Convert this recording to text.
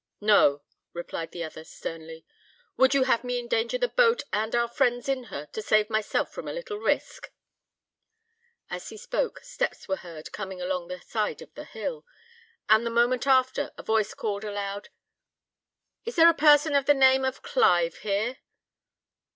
"No," replied the other, sternly; "would you have me endanger the boat and our friends in her, to save myself from a little risk?" As he spoke, steps were heard coming along the side of the hill, and the moment after, a voice called aloud, "Is there a person of the name of Clive there?"